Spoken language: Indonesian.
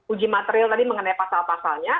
uji material tadi mengenai pasal pasalnya